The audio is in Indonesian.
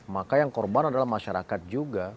maka yang korban adalah masyarakat juga